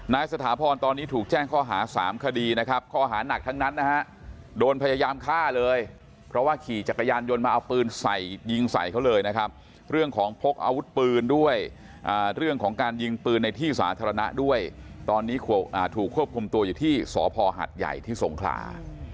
สถาพรตอนนี้ถูกแจ้งข้อหา๓คดีนะครับข้อหานักทั้งนั้นนะฮะโดนพยายามฆ่าเลยเพราะว่าขี่จักรยานยนต์มาเอาปืนใส่ยิงใส่เขาเลยนะครับเรื่องของพกอาวุธปืนด้วยเรื่องของการยิงปืนในที่สาธารณะด้วยตอนนี้ถูกควบคุมตัวอยู่ที่สพหัดใหญ่ที่สงขลา